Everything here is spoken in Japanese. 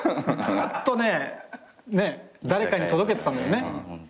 ずっとね誰かに届けてたもんね。